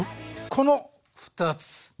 この２つ！